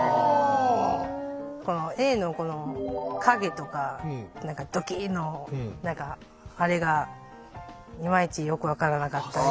Ａのこの影とか「どきいっ」の何かあれがいまいちよく分からなかったり。